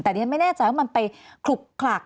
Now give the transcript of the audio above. แต่ดิฉันไม่แน่ใจว่ามันไปขลุกขลัก